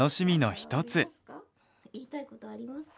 言いたい事はありますか？